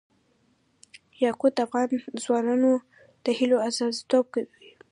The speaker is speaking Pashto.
یاقوت د افغان ځوانانو د هیلو استازیتوب کوي.